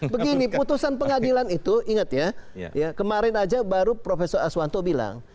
begini putusan pengadilan itu ingat ya kemarin aja baru profesor aswanto bilang